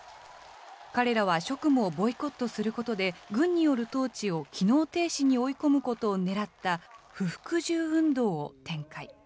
彼らは職務をボイコットすることで、軍による統治を機能停止に追い込むことをねらった不服従運動を展開。